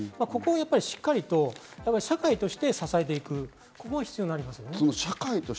ここはしっかりと社会として支えていくことも必要になりますね。